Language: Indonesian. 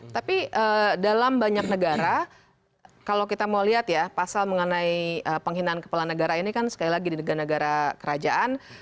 tapi dalam banyak negara kalau kita mau lihat ya pasal mengenai penghinaan kepala negara ini kan sekali lagi di negara negara kerajaan